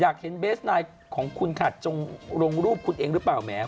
อยากเห็นเบสนายของคุณค่ะจงลงรูปคุณเองหรือเปล่าแหม